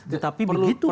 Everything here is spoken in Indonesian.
tetapi begitu pak